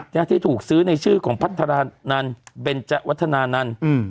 ที่ถูกซื้อในชื่อของพัฒนานันเบนจวัฒนานันต์อืม